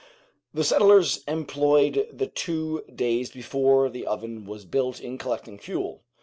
The settlers employed the two days before the oven was built in collecting fuel.